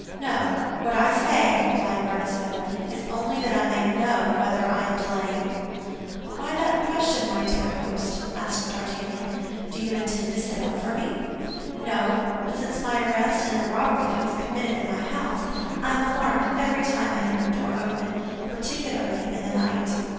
"No; what I say," replied Bonacieux, "is only that I may know whether I am delaying you." "Why that question, my dear host?" asked D'Artagnan. "Do you intend to sit up for me?" "No; but since my arrest and the robbery that was committed in my house, I am alarmed every time I hear a door open, particularly in the night.